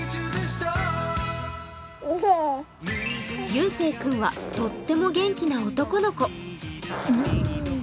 ゆうせいくんはとっても元気な男の子。